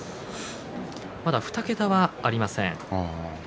まだ２桁はありません。